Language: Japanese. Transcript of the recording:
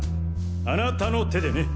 あなたの手でね！